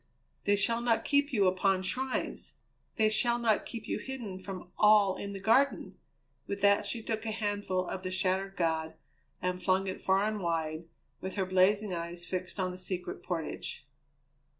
"They shall not keep you upon shrines! They shall not keep you hidden from all in the Garden!" With that she took a handful of the shattered god and flung it far and wide, with her blazing eyes fixed on the Secret Portage.